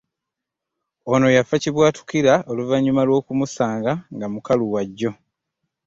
Ono yafa kibwatukira oluvannyuma lw'okumusanga nga mukalu wa jjo